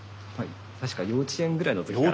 確か幼稚園ぐらいの時から。